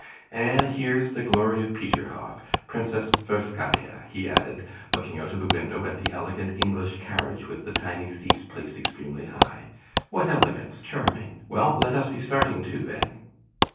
"And here's the glory of Peterhof, Princess Tverskaya," he added, looking out of the window at the elegant English carriage with the tiny seats placed extremely high. "What elegance! Charming! Well, let us be starting too, then."